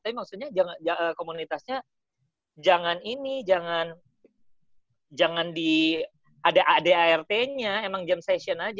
tapi maksudnya komunitasnya jangan ini jangan di ada a d a r t nya emang jam session aja